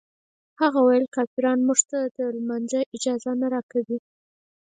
هغه ویل کافران موږ ته د لمانځه اجازه نه راکوي.